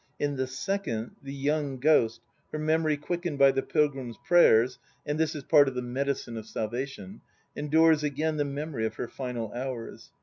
In the second the young ghost, her memory quickened by the Pilgrim's prayers (and this is part of the medicine of salvation), endures again the memory of her final hours.